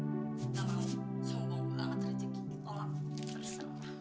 yang bener mau sasok pakai grogi segala malu maluin aja nyampe disorakin orang sekampung